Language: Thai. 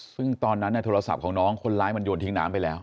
ซึ่งตอนนั้นโทรศัพท์ของน้องคนร้ายมันโยนทิ้งน้ำไปแล้ว